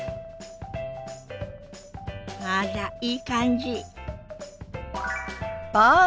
あらいい感じ。